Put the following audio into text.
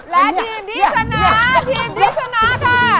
และทีมที่ชนะทีมที่ชนะค่ะ